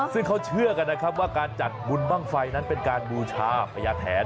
ซึ่งเขาเชื่อกันนะครับว่าการจัดบุญบ้างไฟนั้นเป็นการบูชาพญาแถน